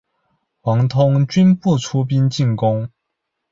王通均不出兵进攻。